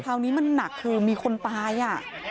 คราวนี้มันหนักคือมีคนตายอ่ะ